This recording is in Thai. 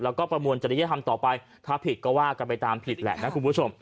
แล้วก็ประมวลจริยธรรมต่อไปถ้าผิดก็ว่ากันไปตามผิดแหละนะคุณผู้ชม